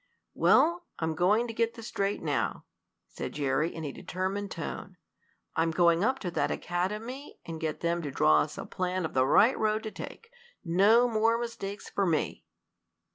"Well, I'm going to get this straight now," said Jerry, in a determined tone. "I'm going up to that academy and get them to draw us a plan of the right road to take. No more mistakes for me!"